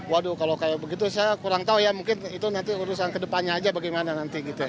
waduh kalau kayak begitu saya kurang tahu ya mungkin itu nanti urusan kedepannya aja bagaimana nanti gitu ya